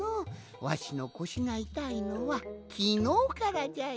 わしのこしがいたいのはきのうからじゃよ。